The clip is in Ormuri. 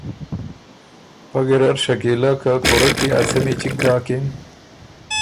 پۀ ګیرډ شکیلۀ که کُورۀ کی ا څمی چِګ داکِن۔